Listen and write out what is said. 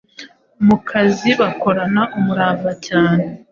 mu kazi bakorana umurava cyane,